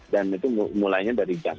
dan itu mulainya dari jam